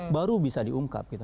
baru bisa diungkap gitu